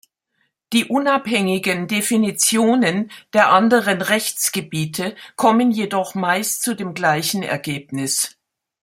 Die unabhängigen Definitionen der anderen Rechtsgebiete kommen jedoch meist zu dem gleichen Ergebnis.